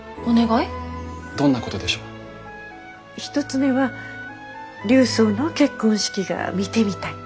１つ目は琉装の結婚式が見てみたい。